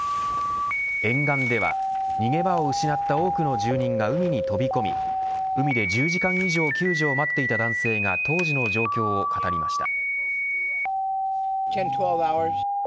沿岸では、逃げ場を失った多くの住民が海に飛び込み海で１０時間以上救助を待っていた男性が当時の状況を語りました。